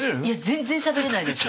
全然しゃべれないです。